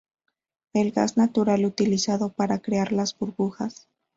El gas natural utilizado para crear las burbujas.